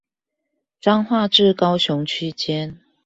彰化至高雄區間